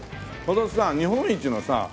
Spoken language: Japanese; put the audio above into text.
このさ日本一のさ